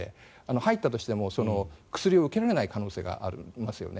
入ったとしても薬を受けられない可能性がありますよね。